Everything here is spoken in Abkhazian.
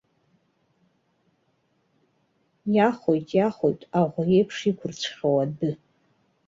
Иахоит, иахоит аӷәы еиԥш иқәырцәхьоу адәы.